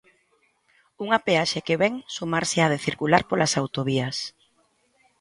Unha peaxe que vén sumarse á de circular polas autovías.